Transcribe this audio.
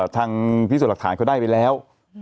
ทางพิสูจน์หลักฐานเขาได้ไปแล้ว